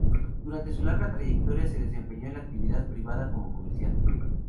Durante su larga trayectoria se desempeñó en la actividad privada como comerciante.